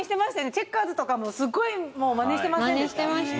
チェッカーズとかすごいまねしてませんでした？